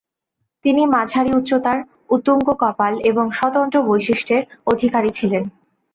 তিনি মাঝারি উচ্চতার, উত্তুঙ্গ কপাল এবং স্বতন্ত্র বৈশিষ্ট্যের অধিকারী ছিলেন।